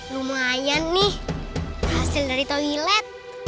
lumayan nih hasil dari toilet